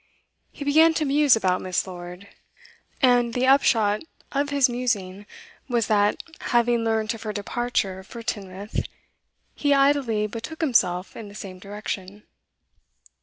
He began to muse about Miss. Lord, and the upshot of his musing was that, having learnt of her departure for Teignmouth, he idly betook himself in the same direction.